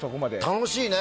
楽しいね。